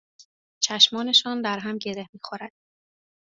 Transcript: چشمانشان در هم گره میخورد